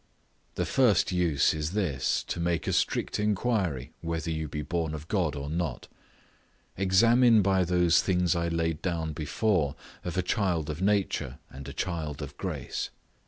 The first use is this, to make a strict inquiry whether you be born of God or not. Examine by those things I laid down before of a child of nature and a child of grace.